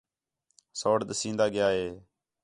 سوڑ ݙسین٘دا ڳِیا ہِے